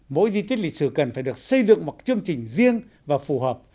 mỗi di tích lịch sử cần phải được xây dựng một chương trình riêng và phù hợp